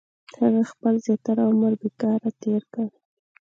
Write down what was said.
• هغه خپل زیاتره عمر بېکاره تېر کړ.